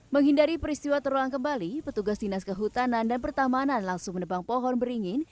menghindari peristiwa terulang kembali petugas dinas kehutanan dan pertamanan langsung menebang pohon beringin